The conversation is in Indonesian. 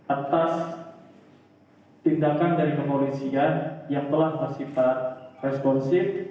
atas tindakan dari kepolisian yang telah bersifat responsif